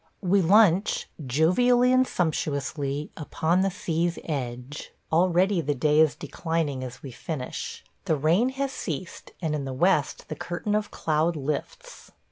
We lunch, jovially and sumptuously, upon the sea's edge. Already the day is declining as we finish. The rain has ceased, and in the west the curtain of cloud lifts.